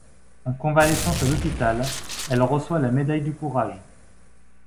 En convalescence à l'hôpital, elle reçoit la Médaille du Courage.